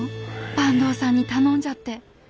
坂東さんに頼んじゃって。